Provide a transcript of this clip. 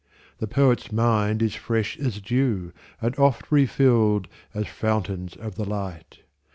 The poet's mind is fresh as dew, And oft refilled as fountains of the light.